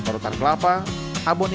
rotang kelapa abon ikan